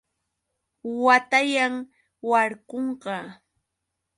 Watayan. warkunqa.